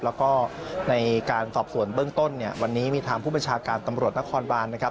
แล้วก็ในการสอบสวนเบื้องต้นเนี่ยวันนี้มีทางผู้บัญชาการตำรวจนครบานนะครับ